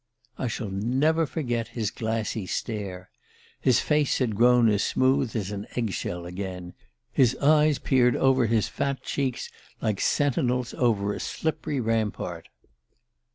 "I shall never forget his glassy stare. His face had grown as smooth as an egg shell again his eyes peered over his fat cheeks like sentinels over a slippery rampart.